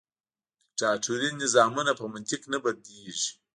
دیکتاتوري نظامونه په منطق نه بدلیږي.